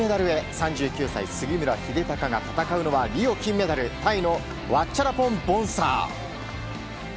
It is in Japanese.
３９歳、杉村英孝が戦うのはリオ金メダルタイのワッチャラポン・ボンサー。